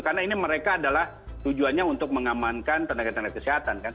karena ini mereka adalah tujuannya untuk mengamankan tenaga tenaga kesehatan